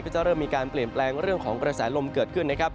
จะเริ่มมีการเปลี่ยนแปลงเรื่องของกระแสลมเกิดขึ้นนะครับ